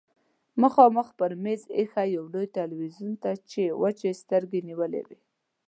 مخامخ پر مېز ايښي لوی تلويزيون ته يې وچې سترګې نيولې وې.